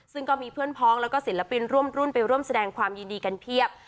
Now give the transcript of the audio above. ซึ่งก็มีเพื่อนพ้องแล้วก็ศิลปินร่วมรุ่นไปร่วมแสดงความยินดีกันเพียบ